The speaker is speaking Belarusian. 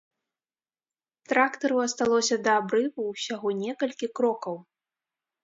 Трактару асталося да абрыву ўсяго некалькі крокаў.